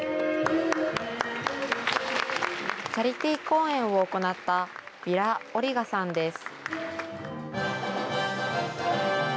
チャリティー公演を行ったビラ・オリガさんです。